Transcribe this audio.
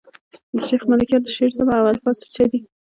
د شېخ ملکیار د شعر ژبه او الفاظ سوچه دي.